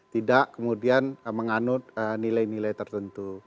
tidak kemudian menganut nilai nilai tertentu